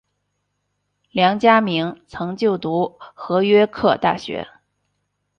梁嘉铭曾就读和约克大学。